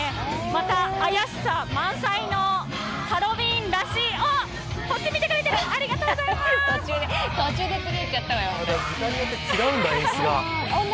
また、怪しさ満載のハロウィーンらしいこっち見てくれてる、ありがとうございます。